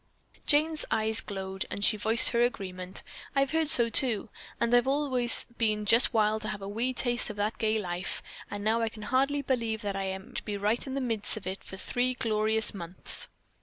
Jane's eyes glowed, and she voiced her agreement. "I've heard so, too, and I've always been just wild to have a wee taste of that gay life, and now I can hardly believe that I am to be right in the midst of it for three glorious months."